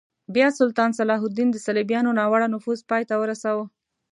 بیا سلطان صلاح الدین د صلیبیانو ناوړه نفوذ پای ته ورساوه.